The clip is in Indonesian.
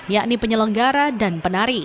yakni penyelenggara dan penari